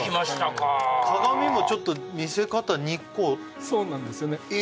鏡もちょっと見せ方２個そうなんですよねえ